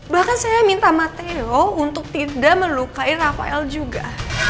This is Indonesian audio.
bahkan saya minta mateo untuk tidak melukai rafael juga